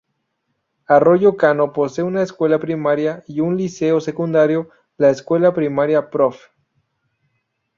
Arroyo Cano posee una Escuela Primaria y un Liceo Secundario, La escuela primaria Prof.